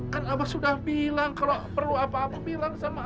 kan abah sudah bilang kalau perlu apa apa bilang sama